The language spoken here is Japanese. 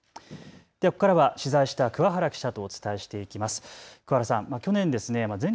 ここからは取材した桑原記者とお伝えしていきます。